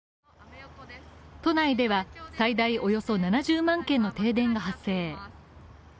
都内では、最大およそ７０万軒の停電が発生。